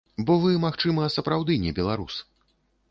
Бо вы, магчыма, сапраўды не беларус!